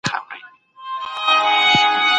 آيا د نفوس زياتوالى اقتصاد ته زيان رسوي؟